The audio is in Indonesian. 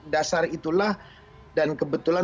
dasar itulah dan kebetulan